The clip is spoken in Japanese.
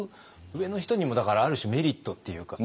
上の人にもだからある種メリットっていうか。